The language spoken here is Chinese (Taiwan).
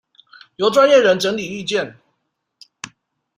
由專業人整理意見